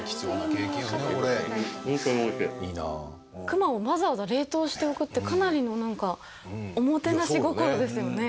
熊をわざわざ冷凍しておくってかなりの何かおもてなし心ですよね。